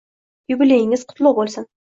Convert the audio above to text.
Yubileyingiz qutlug' bo'lsin!